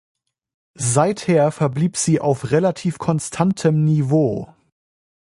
Seither verblieb sie auf relativ konstantem Niveau.